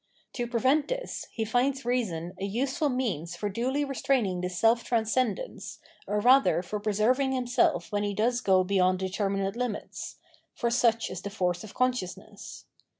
To prevent this, he finds reason a useful means for duly restraining this self transcendence, or rather for pre serving himself when he does go beyond determinate 570 Phenomenology of Mind limits : for such is the force of consciousness.